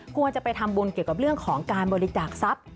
ควรจะไปทำบุญเกี่ยวกับเรื่องของการบริจาคทรัพย์